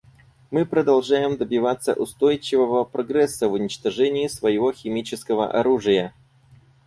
Мы продолжаем добиваться устойчивого прогресса в уничтожении своего химического оружия.